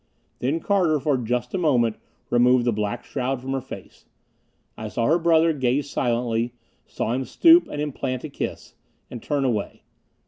Then Carter for just a moment removed the black shroud from her face. I saw her brother gaze silently; saw him stoop and implant a kiss and turn away.